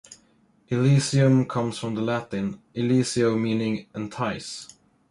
"Illicium" comes from the Latin "illicio" meaning "entice".